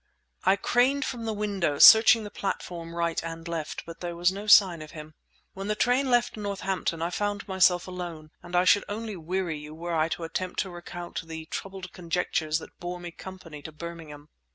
I craned from the window, searching the platform right and left. But there was no sign of him. When the train left Northampton I found myself alone, and I should only weary you were I to attempt to recount the troubled conjectures that bore me company to Birmingham.